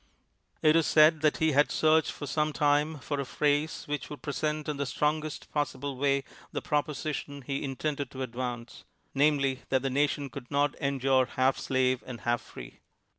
It is said that he had searched for some time for a phrase which would present in the strong est possible way the proposition he intended to advance — namely, that the nation could not endure half slave and half free.